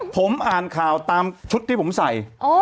ผมอ่านข่าวตามชุดที่ผมใส่